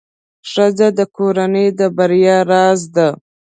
ښځه د کورنۍ د بریا راز ده.